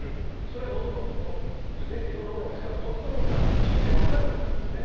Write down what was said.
それはのどのいろんなものを使うコントロールが自分で分かるかどうかだよね。